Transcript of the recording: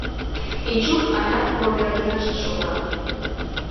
Эчук алят кооперативыште шога.